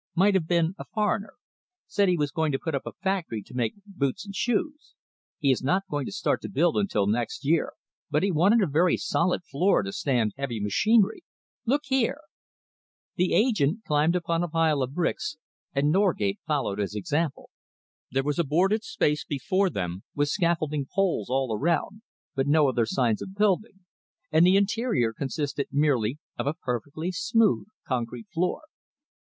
Might have been a foreigner. Said he was going to put up a factory to make boots and shoes. He is not going to start to build until next year, but he wanted a very solid floor to stand heavy machinery. Look here." The agent climbed upon a pile of bricks, and Norgate followed his example. There was a boarded space before them, with scaffolding poles all around, but no other signs of building, and the interior consisted merely of a perfectly smooth concrete floor.